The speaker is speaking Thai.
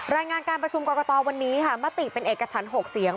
รายงานการประชุมกรกตวันนี้ค่ะมติเป็นเอกฉัน๖เสียง